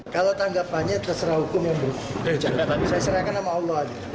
kalau tanggapannya terserah hukum ya bu saya serahkan sama allah